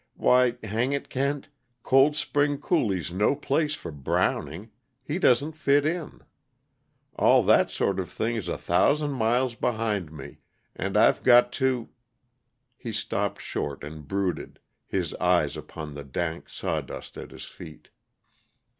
Why, hang it, Kent, Cold Spring Coulee's no place for Browning he doesn't fit in. All that sort of thing is a thousand miles behind me and I've got to " He stopped short and brooded, his eyes upon the dank sawdust at his feet.